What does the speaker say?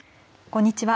こんにちは。